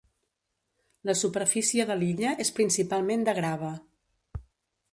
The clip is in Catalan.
La superfície de l'illa és principalment de grava.